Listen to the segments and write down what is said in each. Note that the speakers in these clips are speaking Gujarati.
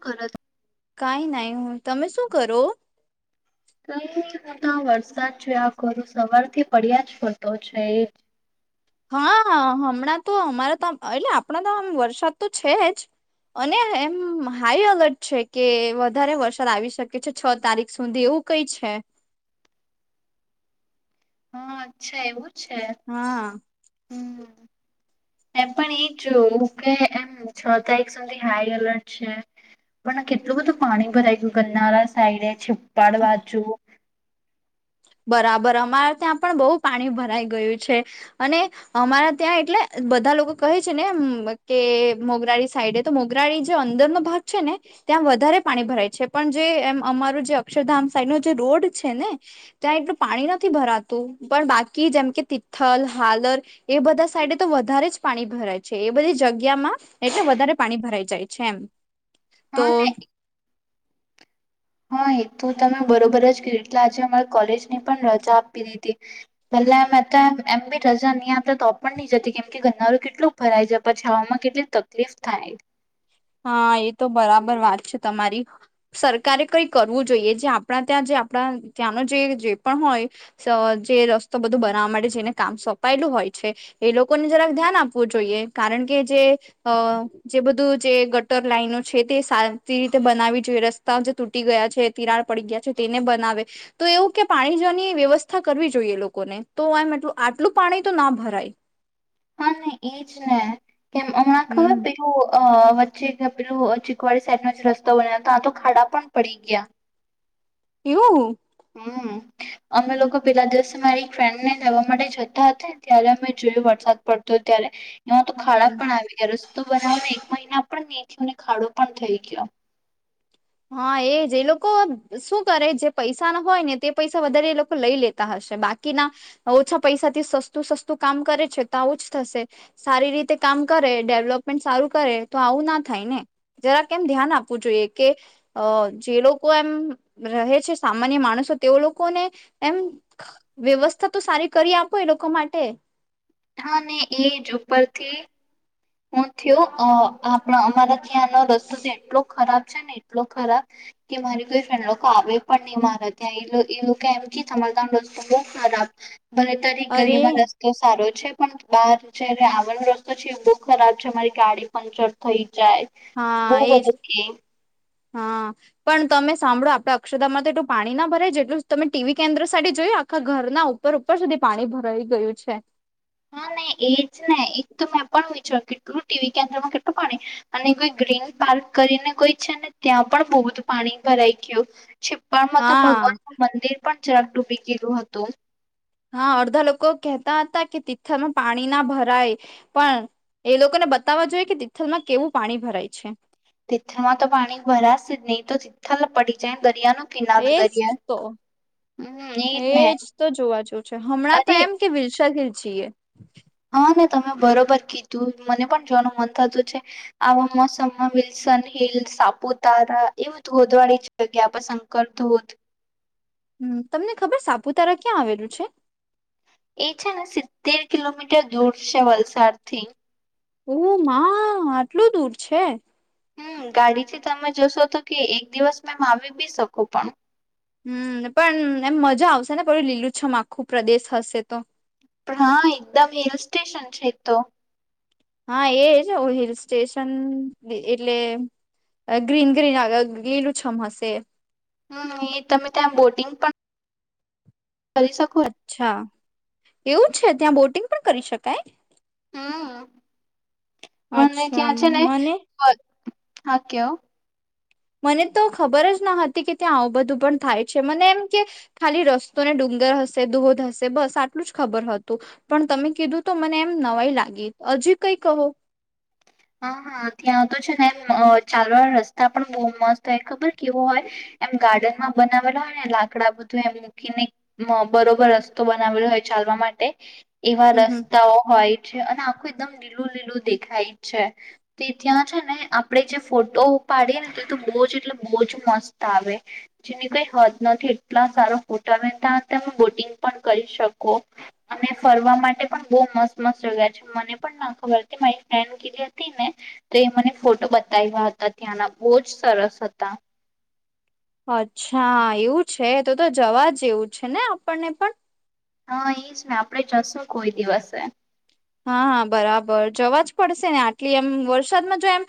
કર કઈ નહી હું તમે શું કરો ક હું તો વરસાદ જોયા કરું સવારથી પડ્યા જ પડતો છે હા હા હમણાં તો અમારા તો એટલે આપણા તો આમ વરસાદ તો છે જ અને એમ હાઈ એલર્ટ છે કે વધારે વરસાદ આવી શકે છે છ તારીખ સુધી એવું કઈ છે હા અચ્છા એવું છે હા એ પણ એ જોું એમ છ તારીખ સુધી હાઈ એલર્ટ છે પણ કેટલું બધું પાણી ભરાઈ ગયું ગનારા સાઈડ છેપ્પાડ વાચુ બરાબર અમારે ત્યાં પણ બહુ પાણી ભરાઈ ગયું છે અને અમારા ત્યાં એટલે બધા લોકો કહે છે ને કે મોગરાડી સાઈડે તો મોગરાળી જે અંદરનોો ભાગ છે ને ત્યાં વધારે પાણી ભરાય છે પણ જે એમ અમાર જે અક્ષરધામ સાઈડ નો જે રોડ છે ને ત્યાં એટલું પાણી નથી ભરાતું પણ બાકી જેમ કે તિથલ હાલર એ બધા સાઈડે તો વધારે જ પાણી ભરાય છે એ બધી જગ્યામાં એટલે વધારે પાણી ભરાઈ જાય છે એમ તો હા ને હા એ તો તમે બરોબર જ કર્યું એટલે આજે અમારે કોલેજ ની પણ રજા આપી દીધી ભલે એમમ એમ બી રજા અહીં તો પણ નહી જતી કેમ કે ઘરનારું કેટલું ભરાઈ જ પછીવામાં કેટલી તકલીફ થાય હા એ તો બરાબર વાત છે તમારી સરકારે કઈ કરવું જોઈએ જે આપણા ત્યાં જે આપણા ત્યાંનો જે પણ હોય જે રસ્તો બધો બનાવવા માટે જેને કામ સોંપાયેલું હોય છે એ લોકોને જરાક ધ્યાન આપવું જોઈએ કારણ કે જે અ જે બધું જે ગટર લાઈનો છે તે સારી રીતે બનાવી જોઈએ રસ્તા જે તૂટી ગયા છે તિરાડ પડી ગયા છે તેને બનાવે તો એવું કે પાણી જવાની વ્યવસ્થા કરવી જોઈએ લોકોને તો એમલ આટલું પાણી તો ના ભરાય હા નને એજ ને કેમ હમણાં ખબર હમ પ અ વચ્ચે એક પેલું ચીકવાડી સાઈડ નો રસ્તો બન્યો હતો આ તો ખાડા પણ પડી ગયા એવું હમ અમે લોકો પેલા દિવસે મારી એક ફ્રેન્ડ ને લેવા માટે જતા હતા ત્યારે અમે જોયું વરસાદ પડતો ત્યારે એમાં તો હમ ખાડા પણ આવી ગયા રસ્તો બનાવને એક મહિના પણ નહી થયો અને ખાડો પણ થઈ ગયો હા એજ એ લોકો શું કરે જે પૈસા ના હોય ને તે પૈસા વધારે એ લોકો લઈ લે હશે બાકીના ઓછા પૈસાથી સસ્તું સસ્તું કામ કરે છે તો આવ જ થશે સારી રીતે કામ કરે ડેવલપમેન્ટ સારું કરે તો આવું ના થાય ને જરા કેમ ધ્યાન આપવું જોઈએ કે અ જે લોકો એમ રહે છે સામાન્ય માણસો તેઓ લોકો ને એમ વ્યવસ્થા તો સારી કરી આપો લોકો માટે હા ને એજ ઉપરથી હું થયો આપણા અમારા ત્યાંનો રસ્તો એટલો ખરાબ છે ને એટલો ખરાબ કે મારી કોઈ ફ્રેન્ડ લોકો આવે પણ નહીં મારે ત્યાં એ લોકો એમથી તમા ત દોસ્ બહ ખરાબ ભલે તારી અરે ગરીમાં રસ્તો સારો છે પણ બહાર જ આવણનો રસ્તો છે એ બો ખરાબ છે અમારી ગાડી પંક્ચર થઈ જાય હા બહુ એજ બધું કે હા પણ તમે સાંભળો આપડા અક્ષતામાં તો એલું પાણી ના ભરાય જેટલું તમે ટીવી કેન્દ્ર સાથે જોઈ આખા ઘરના ઉપ ઉપર સુધી પાણી ભરાઈ ગયું છે હા ના એજ ને એક તો મેં પણ વિચાર કેટલું ટીવી કેન્દ્રમાં કેટલું પાડ અને કોઈ ગ્રીન પાર્ક કરીને કોઈ છે ને ત્યાં પણ બહુ પાણી ભરાઈ ગયું છિપ્પાડમાં તો હા ભગવાન નું મંદિર પણ જરાક ડૂબી ગયલું હતું હા અડધા લોકો કહેતા હતા કે તિથલમાં પાણી ના ભરાય પણ એ લોકોને બતાવવા જોઈએ કે તિ્થલ માં કેવું પાણી ભરાય છે તિથલમાં તો પાણી ભરાશે નહીં તો તિથલ પડી જાયને દરિયા ન એજ તો હમ ને એજ તો જોવા જ છે હમણાં તો અરે એમ કે વિરસાા ખેચીએ હા ને તમે બરોબર કીધું મને પણ જોવાનું મન થતું છે આવા મોસમમાં વિલ્સન હિલ સાપુતારા એ ગોદવાળ જ ગ્યાપ સંક ધોત હમ તમને ખબર સાપુતારા ક્યાં આવેલું છે એ છે ને સિત્તેર કિલોમીટર દૂર છે વલસાડ થી ઓ માં આટલું દૂર છે હમ ગાડીથી તમે જોશો તો કે એક દિવસ મેમ આવી બી શકો પણ હમ પણ એમ મજા આવશે ને પડું લીલું છમ આખું પ્રદેશ હશે તો પણ હા એકદમ હિલ સ્ટેશન છે તો હા એ છે હ હિલ સ્ટેશન એટલે ગ્રીન ગ્રીન આગ ગી લું છમ હશે હમ એ તમે ત્યાં બોટિંગ પણ કરી શકોું છ અચ્છા એવું છે ત્યાં બોટિંગ પણ કરી શકાય હમ મને અચ્છા ત્યાં છે ને મને હા કેવ મને તો ખબર જ ન હતી કે ત્યાં આવું બધું પણ થાય છે મને એમ કે ખાલી રસ્તોને ડુંગર હશે દોધ હશે બસ આટલું જ ખબર હતું. પણ તમે કીધું તો મને એમ નવાય લાગી હજી કઈ કહો. હા હા ત્યાં આવ તો છે ને એ ચાલવા રસ્તા પણ બહુ મસ્ત હોય ખબર કેવો હોય. એમ ગાર્ડન માં બનાવેલા હોય ને લાકડા બધું એમ ને બરોબર રસ્તો બનાવેલો હોય ચાલવા માટે. એવા હમ હમ રસ્તાઓ હોય છે અને આખું એકદમ લીલું લીલું દેખાય છે. તે ત્યાં છે ને આપણેે જે ફોટો ઉપાડીએ ને તે તો બહુ જ એટલે બહુજ મસ્ત આવે જેની કઈ હદ નથી એટલા સારો ફોટ આવે ત તમે બોટિંગ પણ કરી શકો અને ફરવા માટે પણ બહ મસ્ત મસ્ત જગ્યા છે મને પણ ના ખબર હતી મારી ફ. હતી ને તો એ મને ફોટો બતાવ્યા હતા ત્યાંના બહુ જ સરસ હતા અચ્છા એવું છે તો તો જવા જ જેવું છે ને આપણને પણ હા એ જ ને આપડે જશું કોઈ દિવસે હાા બરાબર જવા જ પડશે ને આટલી એમ વરસાદમાં જો એમ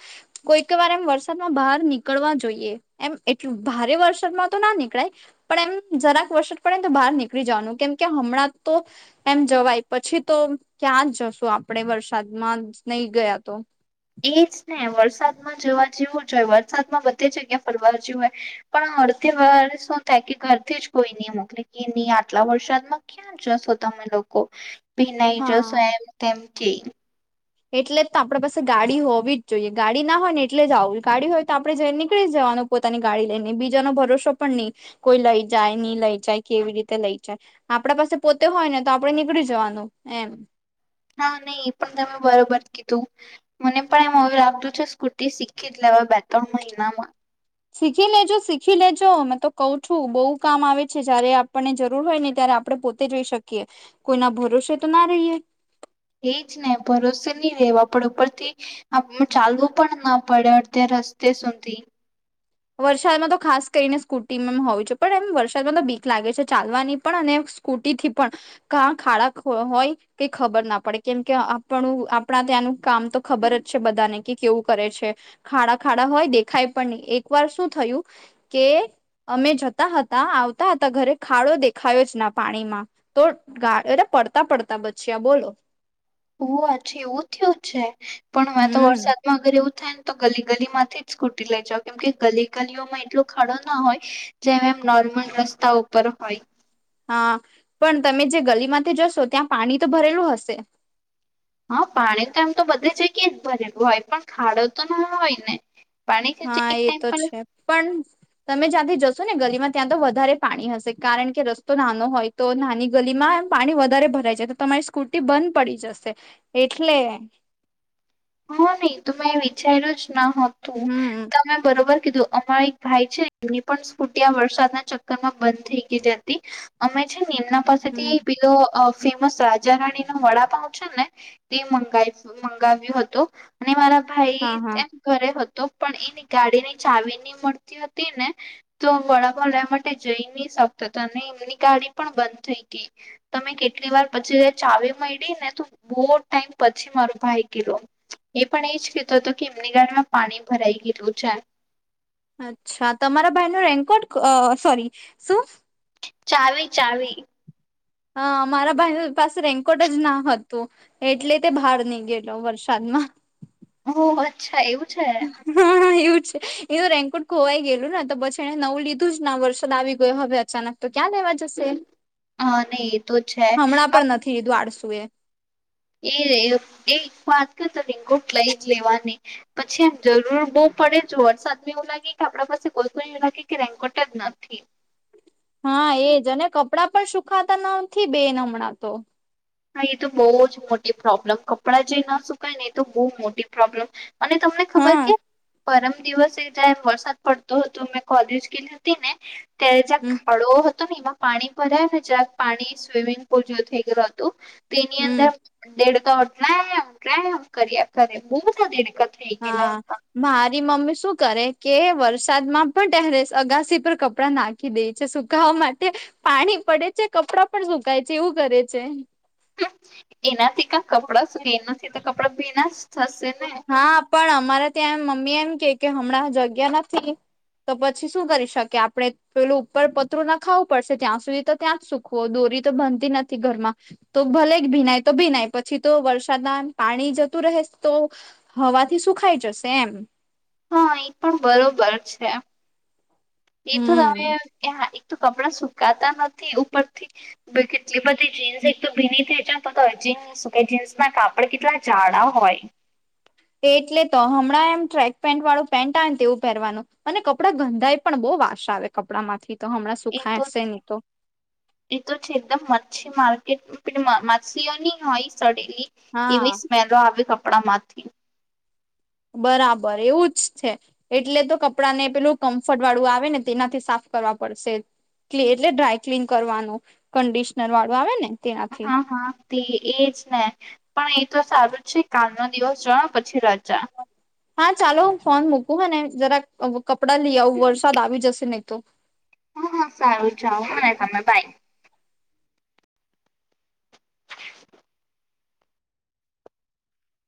કોઈક વાર એમ વરસાદમાં બહાર નીકળવા જોઈએ એમ એટલું ભારે વરસાદમાં તો ના નીકળાય પણ એમ જરાક વરસાદ પડેને તો બહાર નીકળી જવાનું કેમ કે હમણાં તો એમ જવાય પછી તો ક્યાં જ જશો આપણે વરસાદમાં નહી ગયા તો એજ ને વરસાદમાં જવા જેવું જ હોય વરસાદમાં બધી જગ્યા ફરવા જે હોય પણ અડધી વાર શું થાય કે ઘરથી જ કોઈ નહી મોકલી કે નહી આટલા વરસાદમાં ક જશો તમે લોકોક ભિનઈ હા જશો એમ તેમ કે એટલે જ આપણા પાસે ગાડી હોવી જ જોઈએ ગાડી ના હોય ને એટલે જ આવું ગાડી હોય તો આપડણે જઈ નીકળી જવાનું પોતાની ગાડી લઈ નને બીજા ન ભરોસો પણ નહી કોઈ લઈ જાય નહી લઈ જાય કેવી રીતે લઈ જાય આપણા પાસે પોતે હોય ને તો આપડે નીકળી જવાનું એમ હા નહી એ પણ તમે બરોબર કીધું મને પણ એમ એવું લાગતું છે સ્કૂટી શીખી જ લેવા બે ત્રણ મહિનામાં શીખી લેજો શીખી લેજો મેં તો કઉ છું બહુ કામ આવે છે જયારે આપણને જરૂર હોય ને ત્યારે આપડે પોતે જોઈ શકીએ કોઈના ભરોસે તો ના રહીએ એજ ને ભરોસો નહી રેવ આપડ ઉપરથી ચાલવું પણ ના પડે અત્યારે રસ્તે સુધી વરસાદમાં તો ખાસ કરીને સ્કૂટીમાં એમ હોય છે પણ એમ વરસાદમાં તો બીક લાગે છે ચાલવાની પણ અને. સ્કૂટી થી પણ ક ખાડા હોય ક ખબર ના પડે કેમ કે આપણું આપણા ત્યાંનું કામ તો ખબર જ છે બધાને કે કેવું કરે છે ખાડા ખાડા હોય દેખાય પણ નહી એક વાર શું થયું કે અમે જતા હતા આવતા હતા ઘરે ખાડો દેખાયો જ ના પાણીમાં તો ગાને પડતા પડતા બચ્ચિયા બોલો ઓ હછી એવું થયું જ છે પણ હં તો હમ વરસાદ માં અગર એવું થાય ને તો ગલી ગલી માંથી જ સ્કૂટી લઇ જાવ કેમ કે ગલી ગલીઓમાં એટલો ખાડો ના હોય. જેમ એમ નોર્મલ રસ્તા ઉપર હોય. હા પણ તમે જે ગલીમાંથી જશો ત્યાં પાણી તો ભરેલું હશે. હા પાણી તો એમ તો બધે જ ગ જ ભરે હોય પણ ખાડો તો ના હોય ને. પાણી છે હા એક એ ટાઈમ તો પણ છે પણ તમે જ્યાંથી જશો ને ગલીમાં ત્યાં તો વધારે પાણી હશે કારણ કે રસ્તો નાનો હોય. તો નાની ગલીમાં પાણી વધારે ભરાય જાય તો તમારી સ્કૂટી બંધ પડી જશે. એટલે હા નહી તો મેં વિચારલું જ ન હતું હમ તમે બરોબર કીધું. અમારા એક ભાઈ છે એમની પણ સ્ફૂટિયા વરસાદના ચક્કર માં બંધ થઈ ગઈ જ હતી. અમે છે ને એમના હમ પાસેથી પેલો ફેમસ રાજા રાણી નો વડાપાઉ છે ને તે મંગાવ મંગાવ્યું હતું અને મારા ભાઈ હા હા ઘરે હતો પણ એની ગાડી ની ચાવીની મળતી હતી ને તો વડાપાઉ લેવા માટે જઈ ની શકતો તો અને એમની ગાડી પણ બંધ થઈ તી. તમે કેટલી વાર પછી ચાવી મયડી ને તો બો ટાઈમ પછી મારો ભાઈ ગીયો એ પણ એ જ કીધું હતો કે એમની ગાડીમાં પાણી ભરાઈ ગેલુ છે. અચ્છા તમારા ભાઈ નો રેન્કોટ સોરી શું ચાવી ચાવી હ મારા ભાઈ પાસે રેન્કોટ જ ના હતું. એટલે તે બાર ની ગયેલો વરસાદમાં. ઓહ અચ્છા એવું છે. હમ્મ. એવું છે એનું રેન્કોટ ખોવાઈ ગયેલું ને તો પછી એને નવું લીધું જ ના વરસાદ આવી ગયો હવે અચાનક. તો ક્યાં લેવા જશું હા નહી એ તો છે. હમણાં પણ નથી આળસુ એ એ એક વાત કેવ તને કોટ લઈ જ લેવાની. પછી એમ જરૂર બો પડે જો વરસાદમાં એવું લાગે કે આપણા પાસે કોઈ [unintelligible] એવું લાગે કે રેન્કોટ જ નથી. હા એજ અને કપડાં પણ સુખાતા નથી બેન હમણાં તો. હા એ તો બહુ જ મોટી પ્રોબ્લેમ કપડાં જે ના સુકાય ને એ તો બહુ મોટી પ્રોબ્લેમ. અને તમને ખબર હા કે પરમ દિવસે જ્યારે વરસાદ પડતો હતો મેં કોલેજ ગઈ હતી ને ત જ્યાં હમ ખાડો હતો ને એમાં પાણી ભરા્યા ને જ્યાં પાણી સ્વિમિંગ પુલ જેવુ થઈ ગયલુ હતું તેની હમ અંદર દેડકાઓ ટેવ ટેવ કર્યા કરે બો બધા દેડકા થઈ હા. ગયેલા હતા મારી મમ્મી શું કરે કે વરસાદમાં પણ તેરેસે અગાસી પર કપડા નાખી દે છે સુકાવા માટે પાણી પડે છે કપડાં પણ સુકાય છે એવું કરે છે. એનાથી ક કપડા શ કે એનાથી તો કપડા ભીના જ થશે ને હા પણ અમારે ત્યાંમ મમ્મી એમ કે કે હમણાં જગ્યા નથી તો પછી શું કરી શકીએ આપણે પેલું ઉપર પતરું નખાવું પડશે ત્યાં સુધી તો ત્યાં જ સુખવો દોરી તો બનતી નથી ઘરમાં તો ભલે ભીનાય તો ભીનાય પછી તો વરસાદના પાણી જતું રહે તો હવાથી સુખાઈ જશે એમ. હા એ પણ બરોબર છે એ તો હમ તમે કપડાં સુકાતા નથી ઉપરથી કેટલી બધી જીન્સ એક તો ભીની થઈ જાય [unintelligible] કે જીન્સ ના કપડ કેટલા જાડા હોય. એટલે તો હમણાં એમ ટ્રેક પેન્ટ વાળું પેન્ટ આવે તેવું પેરવાનું અને કપડા ગંધાાય પણ બો વાસ આવે કપડા માંથી તો હમણાં એ તો સુખાશે ની તો. એ તો છે એકદમ મચછી માર્કેટ પણ મચછીઓ ની હોય સડેલી એવી હા સ્મેલો આવી કપડા માંથી બરાબર એવું જ છે. એટલે તો કપડાં ને પેલું કમ્ફર્ટ વાળું આવે ને તેનાથી સાફ કરવા પડશે. એટલે ડ્રાય ક્લીન કરવાનું કંડિશનર વાળું આવે ને તેનાથી હા હા. તે એજ ને પણ એ તો સારું જ છે કાલનો દિવસ જવાનું પછી રજા. હા ચાલો હું ફોન મૂકું હ ને જરા કપડાં લઈ આવું વરસાદ આવી જશે નહી તો. હ હા સારું ચાલ [unintelligible] બાઈ